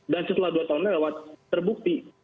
dan setelah dua tahun lewat terbukti